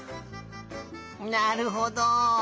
なるほど。